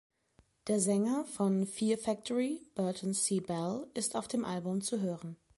Der Sänger von „Fear Factory“, Burton C. Bell, ist auf dem Album zu hören.